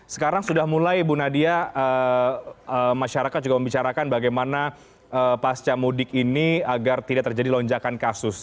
sekarang sudah mulai bu nadia masyarakat juga membicarakan bagaimana pasca mudik ini agar tidak terjadi lonjakan kasus